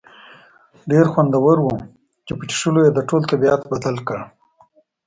شراب ډېر خوندور وو چې په څښلو یې د ټولو طبیعت بدل کړ.